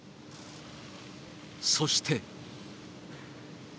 そして。